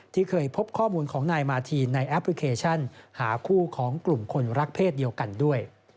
ที่เคยพบข้อมูลของนายมาทีนในแอปพลิเคชันหาคู่ของกลุ่มคนรักเพศเดียวกันด้วย